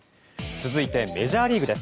続いてメジャーリーグです。